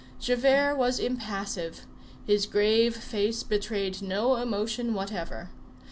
Javert was impassive; his grave face betrayed no emotion whatever.